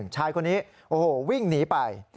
ชายคนนี้โอ้โหวิ่งหนีไป